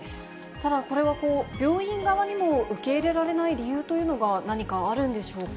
ただこれは、病院側にも受け入れられない理由というのが何かあるんでしょうか？